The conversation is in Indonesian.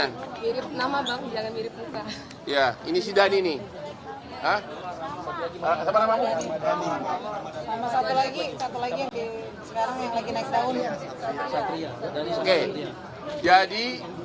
hai mirip nama bang jangan mirip ya ini si dan ini